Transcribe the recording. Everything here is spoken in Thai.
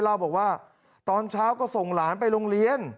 เล่าบอกว่าตอนเช้าก็ส่งหลานไปโรงเรียน